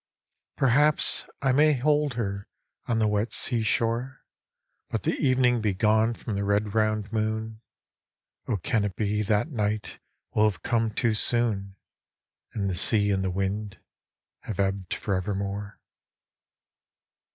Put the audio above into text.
Perhaps I may hold her on the wet sea shore, But the evening be gone from the red round moon : O can it be that night will have come too soon, And the sea and the wind have ebbed for evermore